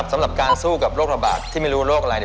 สำหรับการสู้กับโรคระบาดที่ไม่รู้โรคอะไรเนี่ย